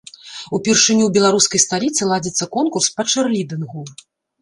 Упершыню ў беларускай сталіцы ладзіцца конкурс па чэрлідынгу.